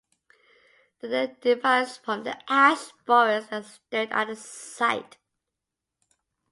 The name derives from the ash forest that stood at the site.